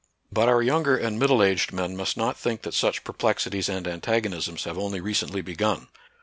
But our younger and middle aged men must not think that such perplexities and antagonisms have only recently begun.